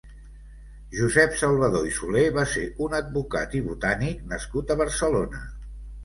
Josep Salvador i Soler va ser un advocat i botànic nascut a Barcelona.